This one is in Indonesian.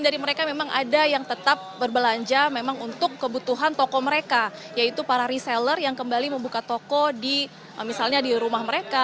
baik bang maulana terima kasih